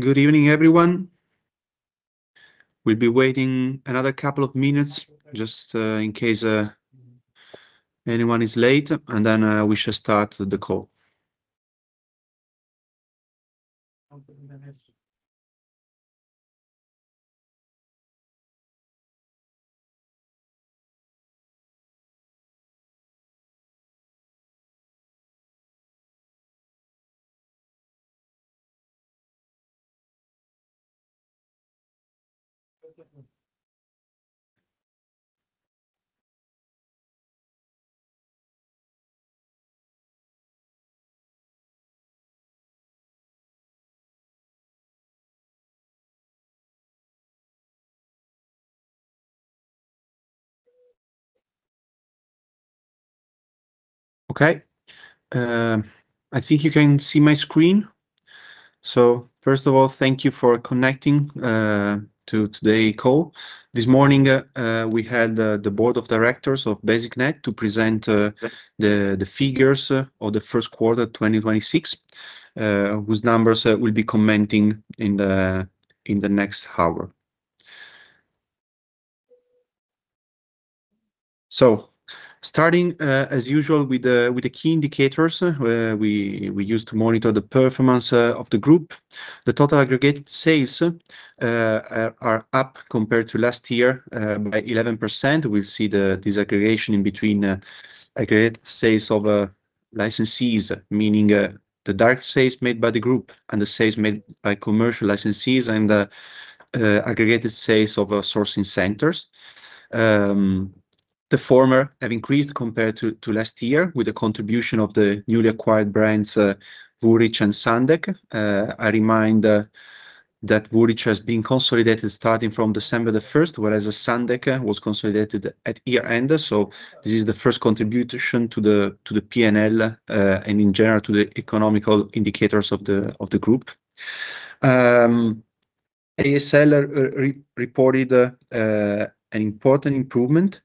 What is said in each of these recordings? Good evening, everyone. We'll be waiting another couple of minutes just in case anyone is late, and then we shall start the call. Okay. I think you can see my screen. First of all, thank you for connecting to today call. This morning, we had the Board of Directors of BasicNet to present the figures of the first quarter 2026, whose numbers we'll be commenting in the next hour. Starting as usual with the key indicators we use to monitor the performance of the group. The total aggregate sales are up compared to last year by 11%. We'll see the disaggregation in between aggregate sales of licensees, meaning the direct sales made by the group and the sales made by commercial licensees and the aggregated sales of our sourcing centers. The former have increased compared to last year with the contribution of the newly acquired brands, Woolrich and Sundek. I remind that Woolrich has been consolidated starting from December 1st, whereas Sundek was consolidated at year end. This is the first contribution to the P&L and in general, to the economical indicators of the group. ASL re-reported an important improvement.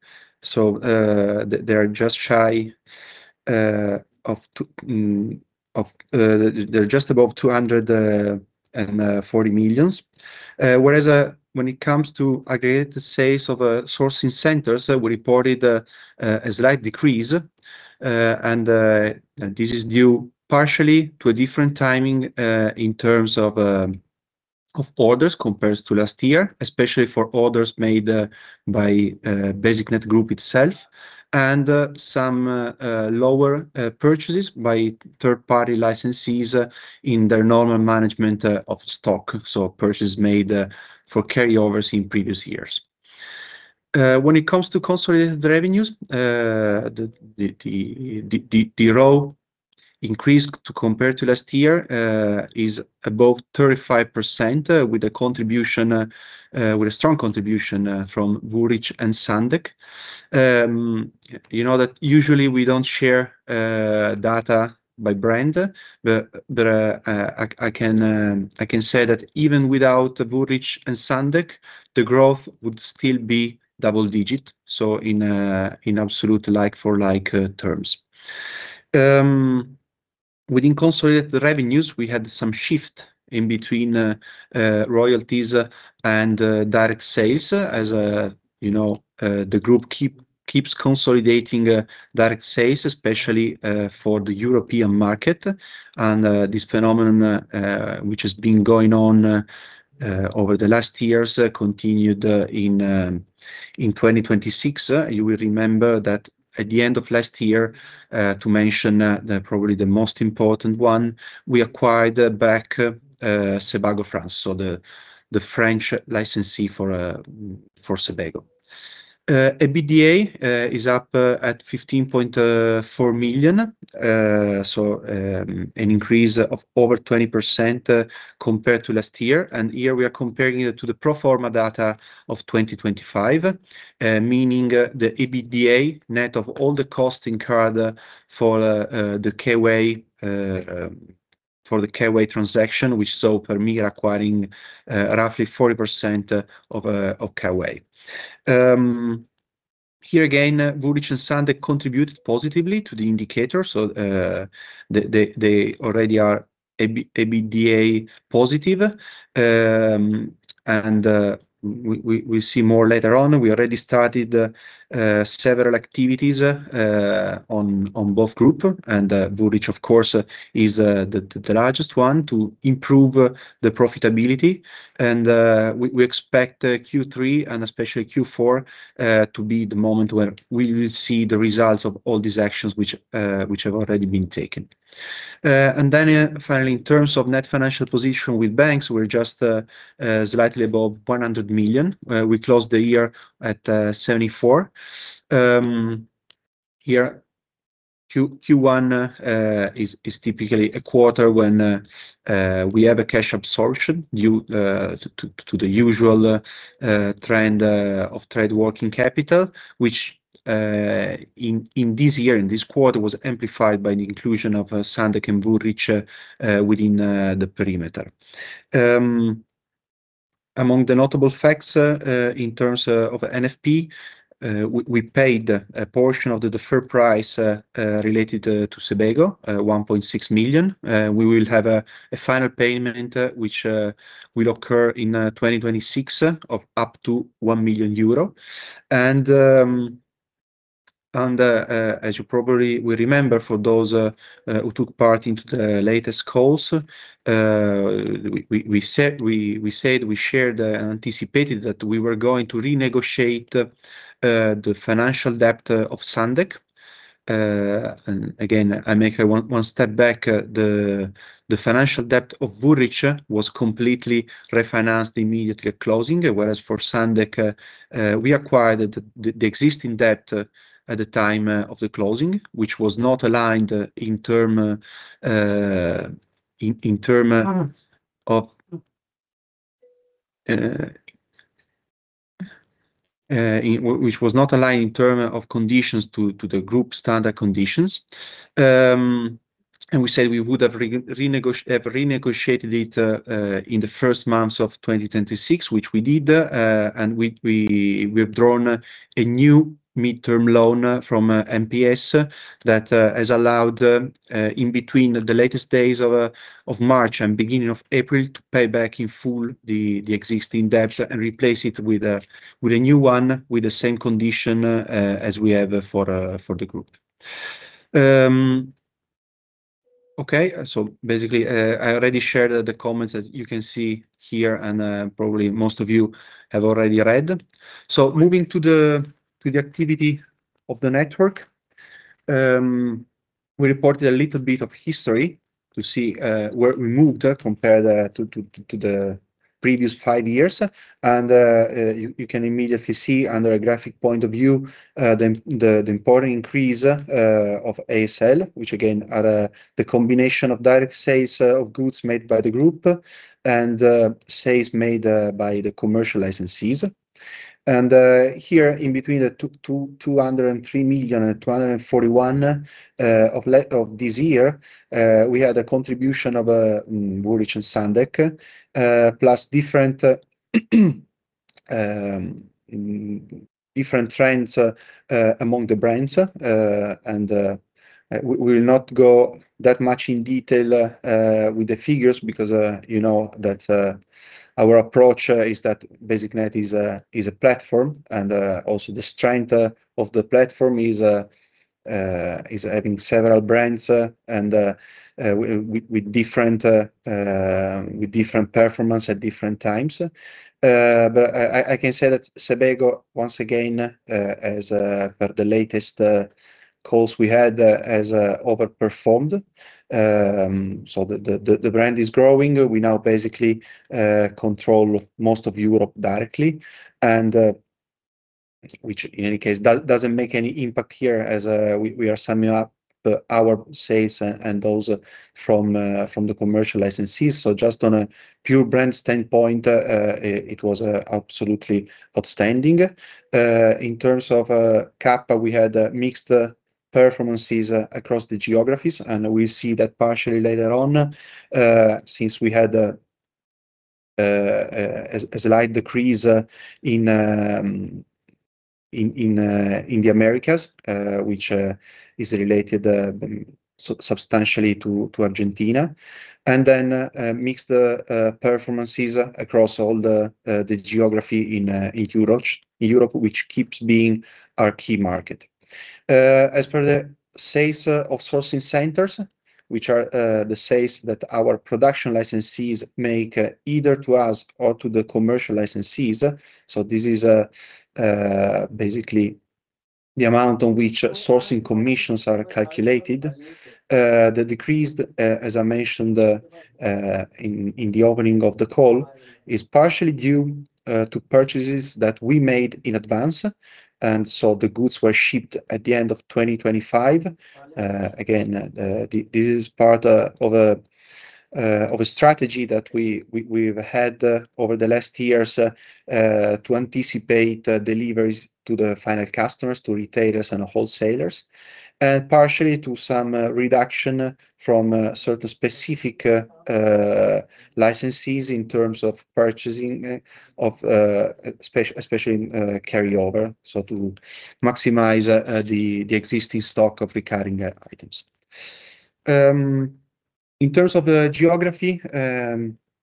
They're just above EUR 240 million. Whereas, when it comes to aggregated sales of sourcing centers, we reported a slight decrease. This is due partially to a different timing in terms of orders compared to last year, especially for orders made by BasicNet Group itself, and some lower purchases by third-party licensees in their normal management of stock. Purchases made for carryovers in previous years. When it comes to consolidated revenues, the row increase to compare to last year is above 35%, with a contribution, with a strong contribution from Woolrich and Sundek. You know that usually we don't share data by brand, but I can say that even without Woolrich and Sundek, the growth would still be double-digit. In absolute like for like terms. Within consolidated revenues, we had some shift in between royalties and direct sales. As you know, the group keeps consolidating direct sales, especially for the European market. This phenomenon, which has been going on over the last years continued in 2026. You will remember that at the end of last year, to mention the probably the most important one, we acquired back Sebago France, so the French licensee for Sebago. EBITDA is up at 15.4 million. An increase of over 20% compared to last year. Here we are comparing it to the pro forma data of 2025, meaning the EBITDA net of all the costs incurred for the K-Way transaction, which saw Permira acquiring roughly 40% of K-Way. Here again, Woolrich and Sundek contributed positively to the indicator. They already are EBITDA positive. We see more later on. We already started several activities on both group. Woolrich, of course, is the largest one to improve the profitability. We expect Q3 and especially Q4 to be the moment where we will see the results of all these actions which have already been taken. Finally, in terms of net financial position with banks, we're just slightly above 100 million. We closed the year at 74. Here Q1 is typically a quarter when we have a cash absorption due to the usual trend of trade working capital, which in this year, in this quarter, was amplified by the inclusion of Sundek and Woolrich within the perimeter. Among the notable facts, in terms of NFP, we paid a portion of the deferred price related to Sebago, 1.6 million. We will have a final payment which will occur in 2026 of up to 1 million euro. As you probably will remember for those who took part into the latest calls, we said, we shared, anticipated that we were going to renegotiate the financial debt of Sundek. Again, I make one step back. The financial debt of Woolrich was completely refinanced immediately at closing, whereas for Sundek, we acquired the existing debt at the time of the closing, which was not aligned in terms of conditions to the group standard conditions. We said we would have renegotiated it in the first months of 2026, which we did. We've drawn a new midterm loan from MPS that has allowed in between the latest days of March and beginning of April to pay back in full the existing debts and replace it with a new one, with the same condition as we have for the group. Okay. Basically, I already shared the comments that you can see here, and probably most of you have already read. Moving to the activity of the network, we reported a little bit of history to see where we moved compared to the previous five years. You can immediately see under a graphic point of view, the important increase of ASL, which again are the combination of direct sales of goods made by the group and sales made by the commercial licensees. Here in between 203 million and 241 of this year, we had a contribution of Woolrich and Sundek, plus different trends among the brands. We will not go that much in detail with the figures because, you know that, our approach is that BasicNet is a platform and also the strength of the platform is having several brands and with different performance at different times. I can say that Sebago once again, as for the latest calls we had, has overperformed. The brand is growing. We now basically control most of Europe directly, and which in any case doesn't make any impact here as we are summing up our sales and those from the commercial licensees. Just on a pure brand standpoint, it was absolutely outstanding. In terms of Kappa, we had mixed performances across the geographies, and we see that partially later on, since we had a slight decrease in the Americas, which is related substantially to Argentina, and then mixed performances across all the geography in Europe, which keeps being our key market. As per the sales of sourcing centers, which are the sales that our production licensees make either to us or to the commercial licensees. This is basically the amount on which sourcing commissions are calculated. The decrease, as I mentioned, in the opening of the call, is partially due to purchases that we made in advance, and so the goods were shipped at the end of 2025. Again, this is part of a strategy that we've had over the last years to anticipate deliveries to the final customers, to retailers and wholesalers, and partially to some reduction from certain specific licensees in terms of purchasing of especially in carryover, so to maximize the existing stock of recurring items. In terms of the geography,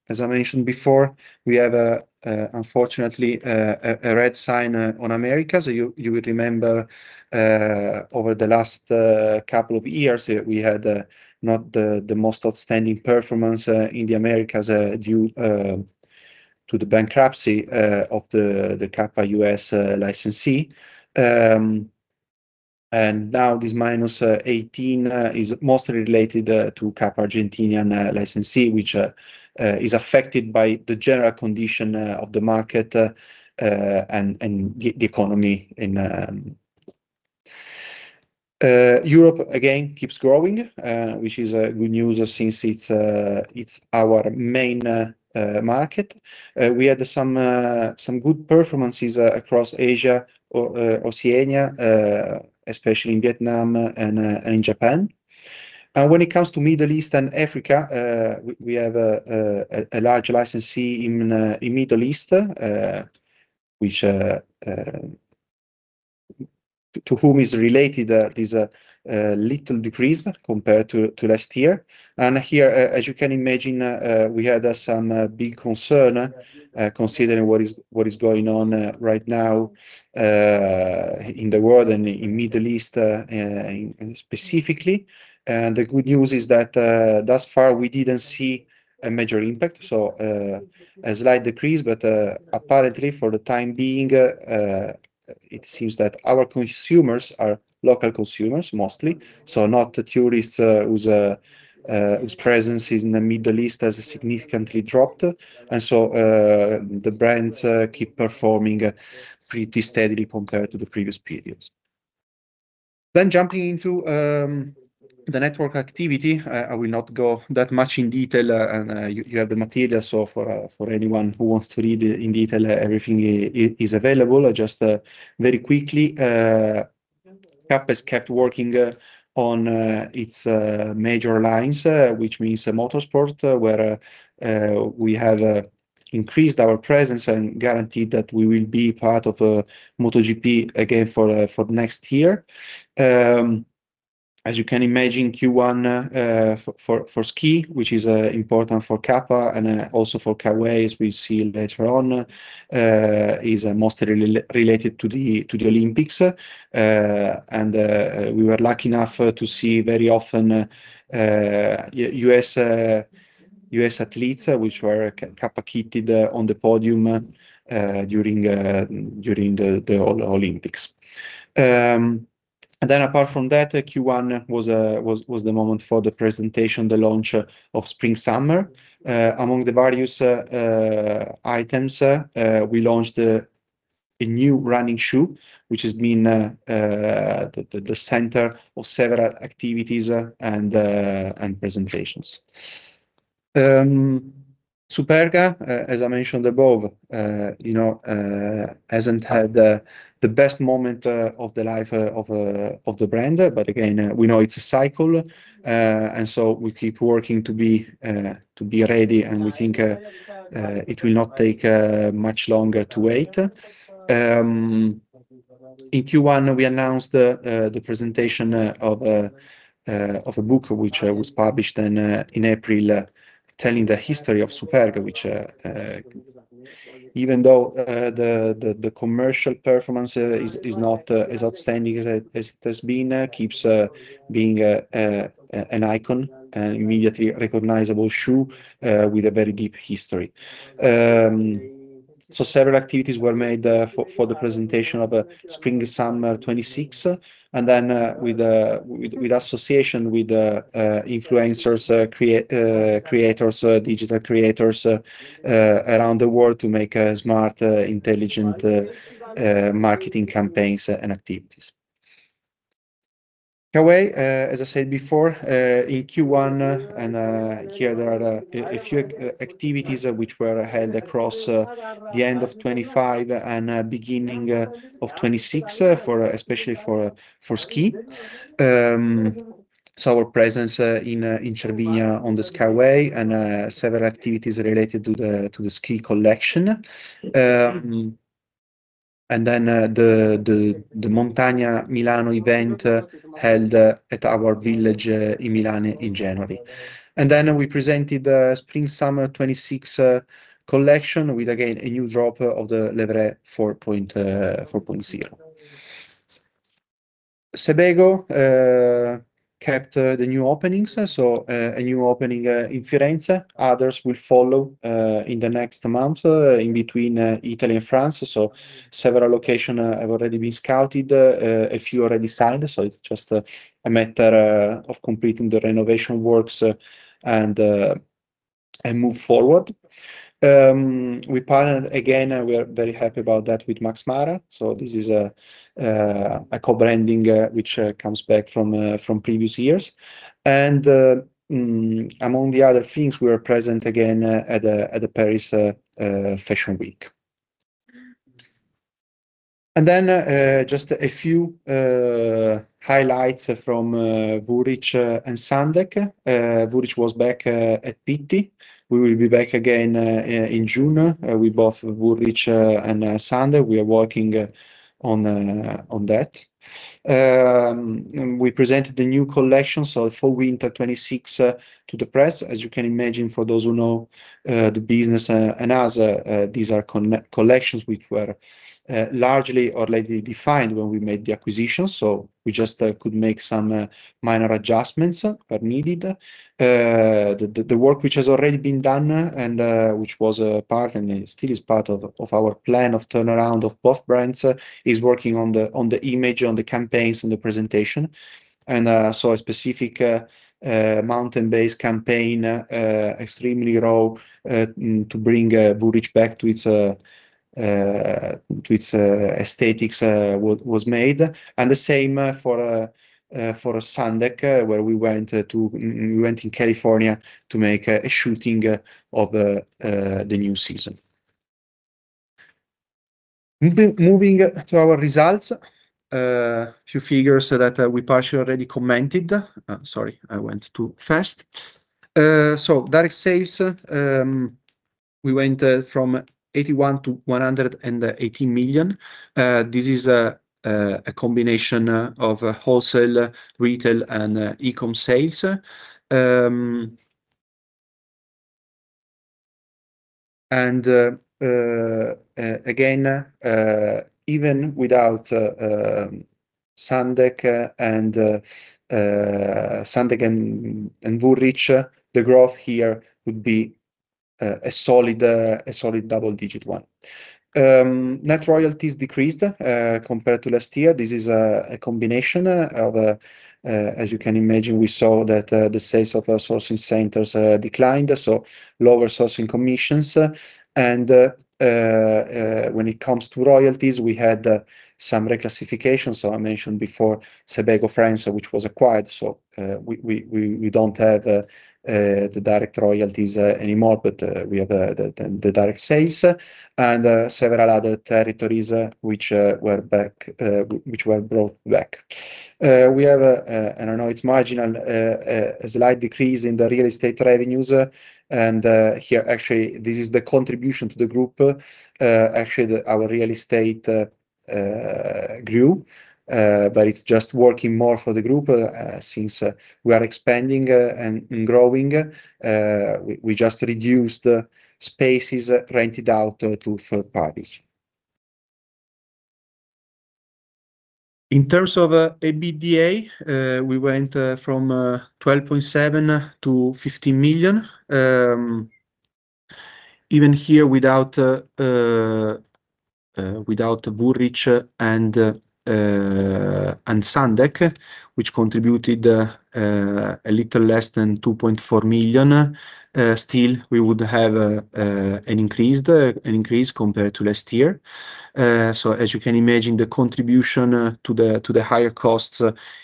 as I mentioned before, we have, unfortunately, a red sign on America. You would remember, over the last couple of years, we had not the most outstanding performance in the Americas, due to the bankruptcy of the Kappa US licensee. And now this -18 is mostly related to Kappa Argentinian licensee, which is affected by the general condition of the market and the economy in. Europe again keeps growing, which is good news since it's our main market. We had some good performances across Asia, Oceania, especially in Vietnam and in Japan. When it comes to Middle East and Africa, we have a large licensee in Middle East, To whom is related this little decrease compared to last year. Here, as you can imagine, we had some big concern considering what is going on right now in the world and in Middle East specifically. The good news is that thus far we didn't see a major impact. A slight decrease, but apparently for the time being, it seems that our consumers are local consumers mostly, so not tourists, whose presence is in the Middle East has significantly dropped. The brands keep performing pretty steadily compared to the previous periods. Jumping into the network activity, I will not go that much in detail, and you have the material, so for anyone who wants to read in detail, everything is available. Just very quickly, Kappa's kept working on its major lines, which means Motorsport, where we have increased our presence and guaranteed that we will be part of MotoGP again for next year. As you can imagine, Q1 for ski, which is important for Kappa and also for K-Way, as we'll see later on, is mostly related to the Olympics. We were lucky enough to see very often U.S. athletes, which were Kappa kitted on the podium during the Olympics. Apart from that, Q1 was the moment for the presentation, the launch of spring/summer. Among the various items, we launched a new running shoe, which has been the center of several activities and presentations. Superga, as I mentioned above, you know, hasn't had the best moment of the life of the brand. We know it's a cycle. We keep working to be ready, and we think it will not take much longer to wait. In Q1, we announced the presentation of a book which was published in April, telling the history of Superga, which even though the commercial performance is not as outstanding as it has been, keeps being a icon, an immediately recognizable shoe with a very deep history. Several activities were made for the presentation of spring/summer 2026, and then with association with influencers, creators, digital creators around the world to make smart, intelligent marketing campaigns and activities. K-Way, as I said before, in Q1, here there are a few activities which were held across the end of 2025 and beginning of 2026, for, especially for ski. Our presence in Cervinia on the Skyway and several activities related to the ski collection. The Montagna a Milano event held at our village in Milan in January. We presented the spring/summer 2026 collection with again a new drop of the Le Vrai 4.0. Sebago kept the new openings. A new opening in Florence. Others will follow in the next month in between Italy and France. Several location have already been scouted, a few already signed. It's just a matter of completing the renovation works and move forward. We partnered again, and we are very happy about that, with Max Mara. This is a co-branding which comes back from previous years. Among the other things, we are present again at the Paris Fashion Week. Just a few highlights from Woolrich and Sundek. Woolrich was back at Pitti. We will be back again in June with both Woolrich and Sundek. We are working on that. We presented the new collection, Fall/Winter 2026, to the press. As you can imagine, for those who know, the business and us, these are collections which were largely already defined when we made the acquisition. We just could make some minor adjustments where needed. The work which has already been done and which was a part and still is part of our plan of turnaround of both brands, is working on the image, on the campaigns and the presentation. A specific mountain-based campaign, extremely raw, to bring Woolrich back to its to its aesthetics, was made. The same for Sundek, where we went in California to make a shooting of the new season. Moving to our results, a few figures that we partially already commented. Sorry, I went too fast. Direct sales, we went from 81 million-118 million. This is a combination of a wholesale, retail, and e-com sales. Again, even without Sundek and Woolrich, the growth here would be a solid double-digit one. Net royalties decreased compared to last year. This is a combination of, as you can imagine, we saw that the sales of our sourcing centers declined, so lower sourcing commissions. When it comes to royalties, we had some reclassification. I mentioned before Sebago France, which was acquired, so we don't have the direct royalties anymore, but we have the direct sales, and several other territories which were brought back. We have a, I don't know, it's marginal, a slight decrease in the real estate revenues. Here, actually, this is the contribution to the group. Actually our real estate grew, but it's just working more for the group since we are expanding and growing. We just reduced the spaces rented out to third parties. In terms of EBITDA, we went from 12.7 million-15 million. Even here without Woolrich and Sundek, which contributed a little less than 2.4 million, still we would have an increase compared to last year. As you can imagine, the contribution to the higher costs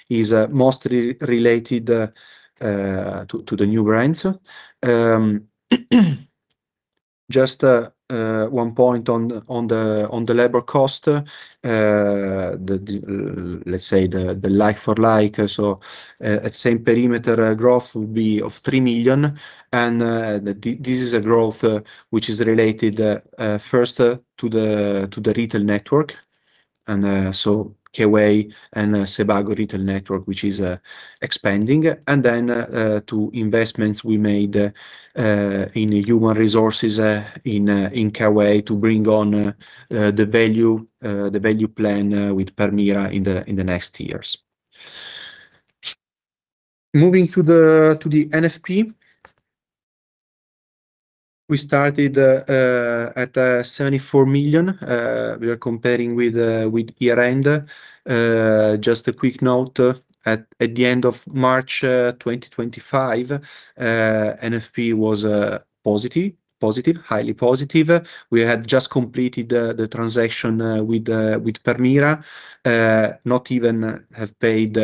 is mostly related to the new brands. Just one point on the labor cost. The like for like, so at same perimeter growth would be of 3 million, and this is a growth which is related first to the retail network, and so K-Way and Sebago retail network, which is expanding. To investments we made in human resources, in K-Way to bring on the value, the value plan, with Permira in the next years. Moving to the NFP. We started at 74 million. We are comparing with year-end. Just a quick note. At the end of March 2025, NFP was positive, highly positive. We had just completed the transaction with Permira. Not even have paid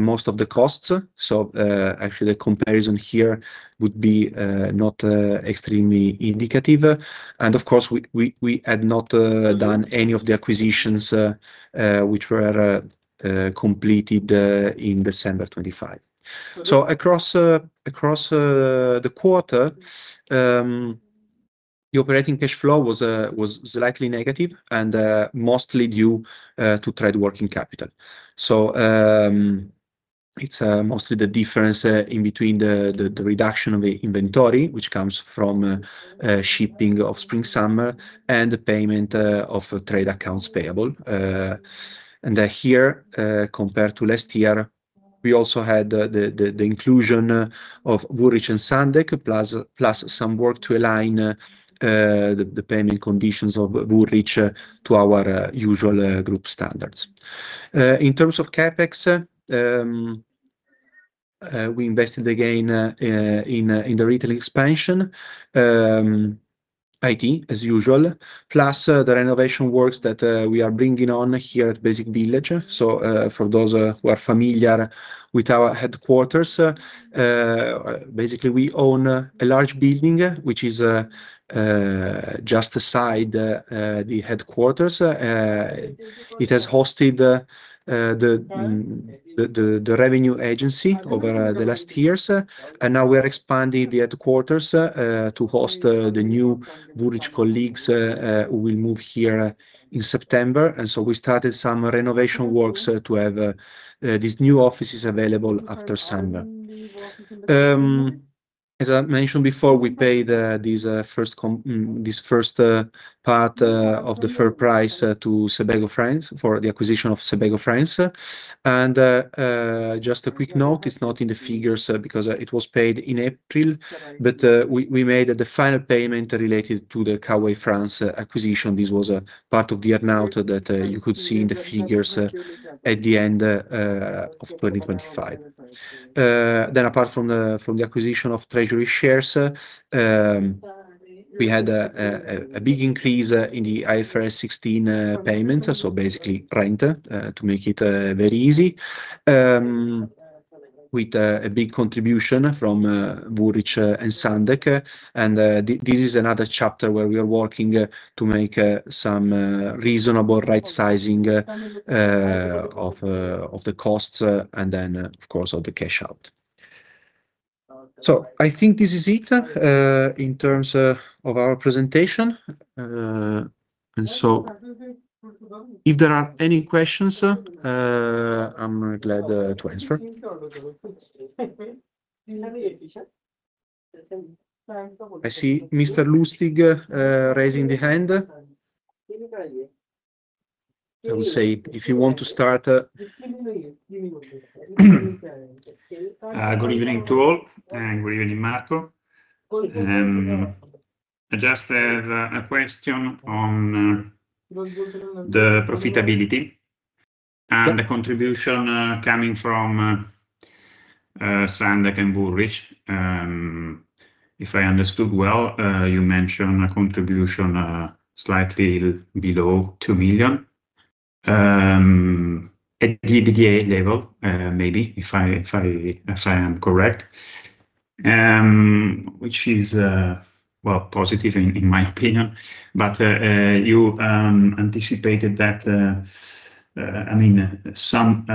most of the costs. Actually the comparison here would be not extremely indicative. Of course, we had not done any of the acquisitions which were completed in December 2025. Across the quarter, the operating cash flow was slightly negative, and mostly due to trade working capital. It's mostly the difference in between the reduction of the inventory, which comes from shipping of spring/summer and the payment of trade accounts payable. And here, compared to last year, we also had the inclusion of Woolrich and Sundek, plus some work to align the payment conditions of Woolrich to our usual group standards. In terms of CapEx, we invested again in the retail expansion, IT as usual, plus the renovation works that we are bringing on here at Basic Village. For those who are familiar with our headquarters, basically we own a large building which is just aside the headquarters. It has hosted the revenue agency over the last years, now we are expanding the headquarters to host the new Woolrich colleagues who will move here in September. We started some renovation works to have these new offices available after summer. As I mentioned before, we paid this first part of the fair price to Sebago France for the acquisition of Sebago France. Just a quick note, it's not in the figures because it was paid in April, we made the final payment related to the K-Way France acquisition. This was a part of the earn-out that you could see in the figures at the end of 2025. Apart from the acquisition of treasury shares, we had a big increase in the IFRS 16 payments, so basically rent, to make it very easy, with a big contribution from Woolrich and Sundek. This is another chapter where we are working to make some reasonable right sizing of the costs and then of course all the cash out. I think this is it in terms of our presentation. If there are any questions, I'm glad to answer. I see Mr. Lustig raising the hand. I would say if you want to start. Good evening to all, and good evening, Marco. I just have a question on the profitability and the contribution coming from Sundek and Woolrich. If I understood well, you mentioned a contribution slightly below EUR 2 million at EBITDA level, maybe if I am correct. Which is, well, positive in my opinion. You anticipated that, I mean some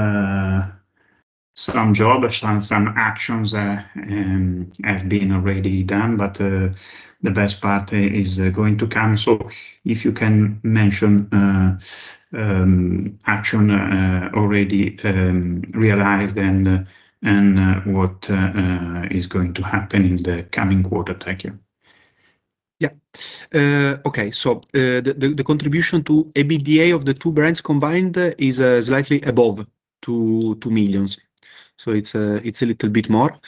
job or some actions have been already done, but the best part is going to come. If you can mention action already realized and what is going to happen in the coming quarter. Thank you. Yeah. Okay. The contribution to EBITDA of the two brands combined is slightly above 2 million. It's a little bit more.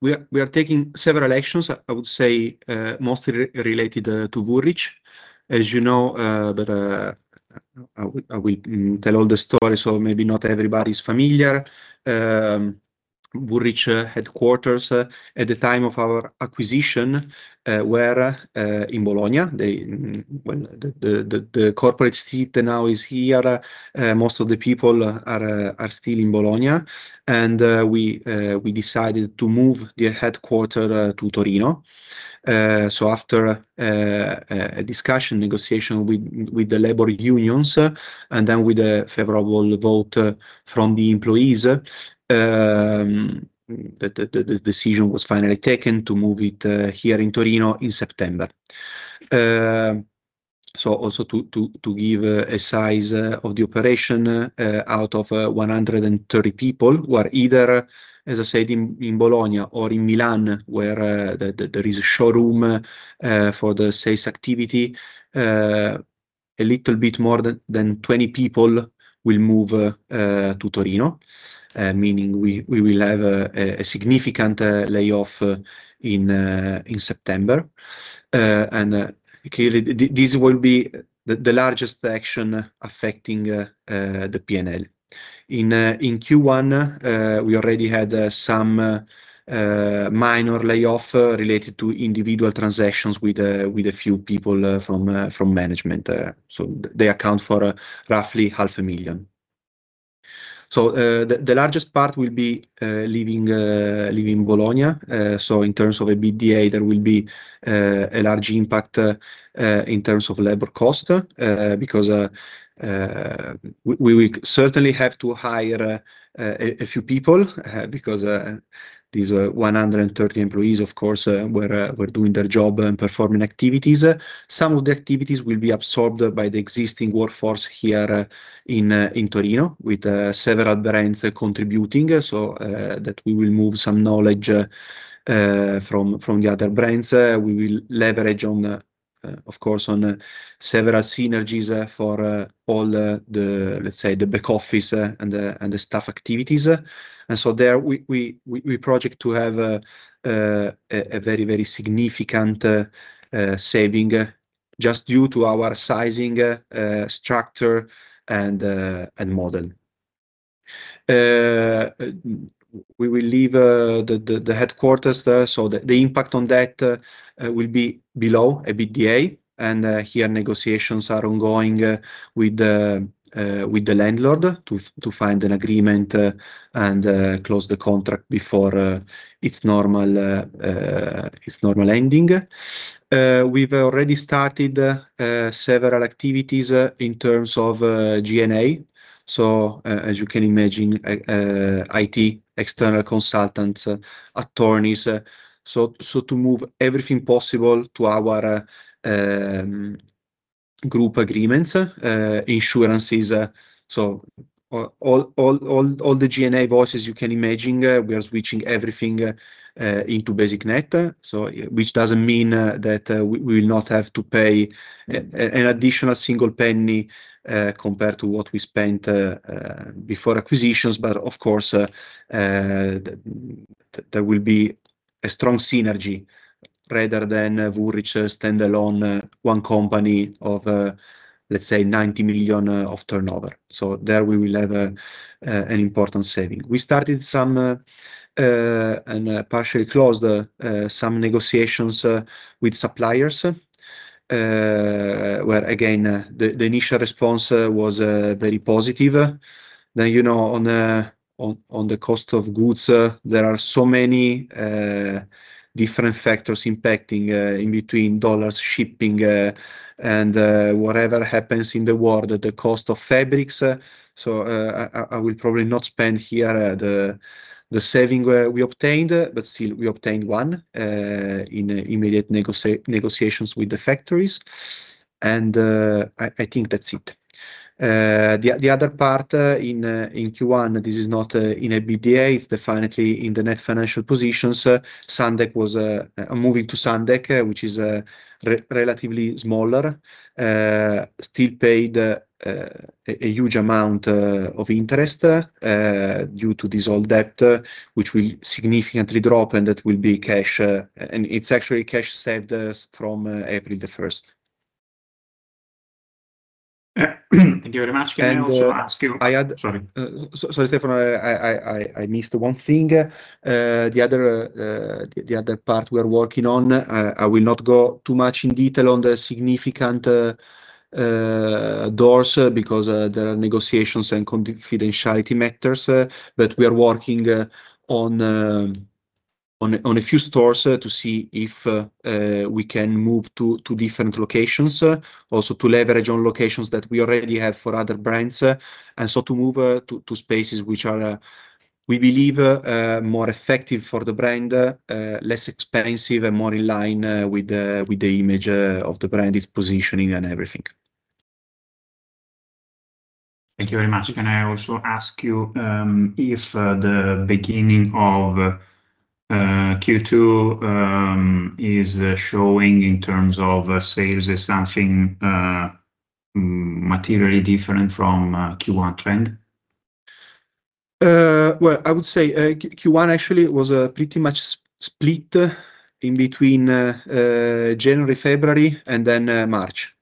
We are taking several actions, I would say, mostly related to Woolrich. As you know, I will tell all the story, maybe not everybody's familiar. Woolrich headquarters, at the time of our acquisition, were in Bologna. When the corporate seat now is here, most of the people are still in Bologna, we decided to move the headquarter to Torino. After a discussion negotiation with the labor unions, and then with the favorable vote from the employees, the decision was finally taken to move it here in Torino in September. Also to give a size of the operation, out of 130 people who are either, as I said, in Bologna or in Milan, where there is a showroom for the sales activity, a little bit more than 20 people will move to Torino, meaning we will have a significant layoff in September. Clearly, this will be the largest action affecting the P&L. In Q1, we already had some minor layoff related to individual transactions with a few people from management. They account for roughly 500,000. The largest part will be leaving Bologna. In terms of EBITDA, there will be a large impact in terms of labor cost, because we certainly have to hire a few people, because these 130 employees, of course, were doing their job and performing activities. Some of the activities will be absorbed by the existing workforce here in Torino with several brands contributing. That we will move some knowledge from the other brands. We will leverage on, of course, on several synergies, for all, the, let's say, the back office, and the, and the staff activities. There we project to have a very, very significant saving just due to our sizing structure and model. We will leave the headquarters there, so the impact on that will be below EBITDA. Here negotiations are ongoing with the landlord to find an agreement and close the contract before its normal ending. We've already started several activities in terms of G&A. As you can imagine, IT, external consultants, attorneys, to move everything possible to our group agreements, insurances. All the G&A voices you can imagine, we are switching everything into BasicNet. Which doesn't mean that we will not have to pay an additional single penny compared to what we spent before acquisitions. Of course, there will be a strong synergy rather than Woolrich standalone one company of, let's say, 90 million of turnover. There we will have an important saving. We started some and partially closed some negotiations with suppliers, where again, the initial response was very positive. Then, you know, on the cost of goods, there are so many different factors impacting in between dollars, shipping, and whatever happens in the world, the cost of fabrics. I will probably not spend here the saving we obtained, but still we obtained one in immediate negotiations with the factories. I think that's it. The other part in Q1, this is not in EBITDA, it's definitely in the net financial position. Sundek was moving to Sundek, which is relatively smaller. Still paid a huge amount of interest due to this old debt, which will significantly drop and that will be cash, and it's actually cash saved from April the 1st. Yeah. Thank you very much. Can I also ask you? And, uh, I had. Sorry. Sorry, Stefano, I missed one thing. The other part we are working on, I will not go too much in detail on the significant doors, because there are negotiations and confidentiality matters, we are working on a few stores to see if we can move to different locations. Also to leverage on locations that we already have for other brands, to move to spaces which are, we believe, more effective for the brand, less expensive and more in line with the image of the brand, its positioning and everything. Thank you very much. Can I also ask you if the beginning of Q2 is showing in terms of sales as something materially different from Q1 trend? Well, I would say Q1 actually was pretty much split in between January, February and then March,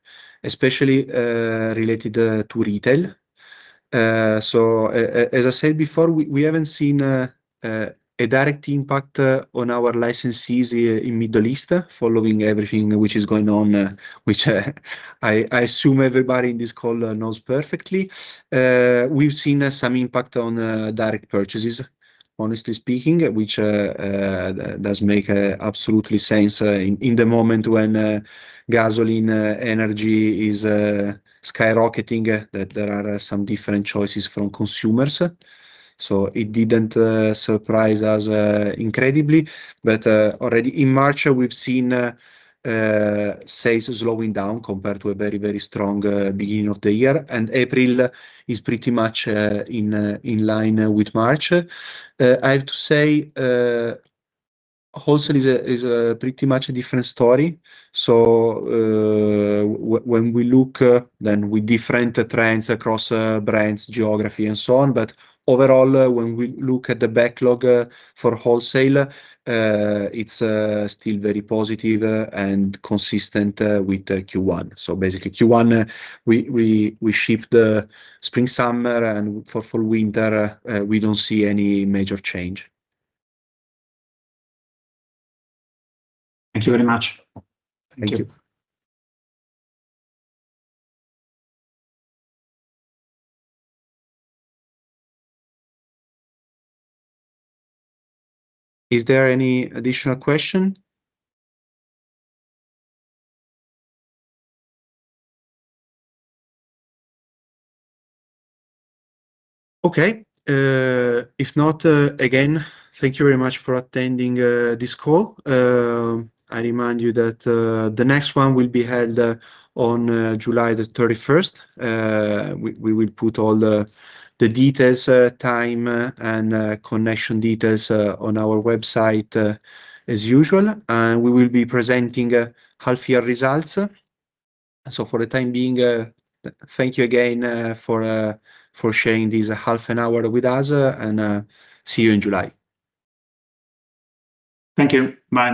especially related to retail. As I said before, we haven't seen a direct impact on our licensees in Middle East following everything which is going on, which I assume everybody in this call knows perfectly. We've seen some impact on direct purchases, honestly speaking, which does make absolutely sense in the moment when gasoline energy is skyrocketing, that there are some different choices from consumers. It didn't surprise us incredibly. Already in March we've seen sales slowing down compared to a very, very strong beginning of the year, and April is pretty much in line with March. I have to say, wholesale is a pretty much a different story. When we look then with different trends across brands, geography and so on, but overall, when we look at the backlog for wholesale, it's still very positive and consistent with Q1. Q1, we shipped the spring/summer and for fall/winter, we don't see any major change. Thank you very much. Thank you. Is there any additional question? Okay. If not, again, thank you very much for attending this call. I remind you that the next one will be held on July the 31st. We will put all the details, time, and connection details on our website as usual, and we will be presenting half year results. For the time being, thank you again for sharing this half an hour with us, and see you in July. Thank you. Bye.